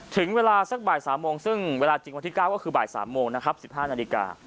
ถึงเวลาสักบ่าย๓โมงซึ่งเวลาจริงวันที่๙ก็คือบ่าย๓โมงนะครับ๑๕นาฬิกา